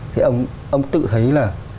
thì ông ông tự thấy là